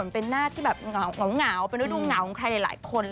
เป็นหน้าที่แบบเหงาเป็นฤดูเหงาของใครหลายคน